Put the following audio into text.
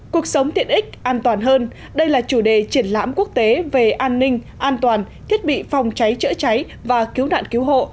cuộc sống tiện ích an toàn hơn đây là chủ đề triển lãm quốc tế về an ninh an toàn thiết bị phòng cháy chữa cháy và cứu nạn cứu hộ